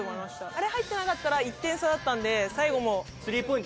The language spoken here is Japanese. あれ入ってなかったら１点差だったんで最後も。